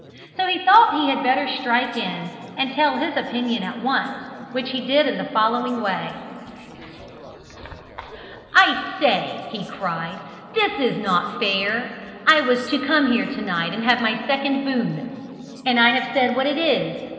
So he thought he had better strike in and tell his opinion at once, which he did in the following way: "I say!" he cried, "this is not fair. I was to come here to night and have my second boon and I have said what it is.